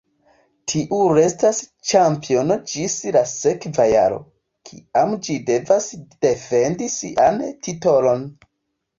Tiu restas ĉampiono ĝis la sekva jaro, kiam ĝi devas defendi sian titolon.